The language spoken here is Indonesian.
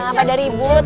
gak ada ribut